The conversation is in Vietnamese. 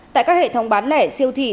tại các hệ thống bán lẻ siêu thị